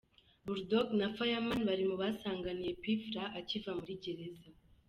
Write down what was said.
Bull Dog na Fireman bari mu basanganiye P Fla akiva muri gereza.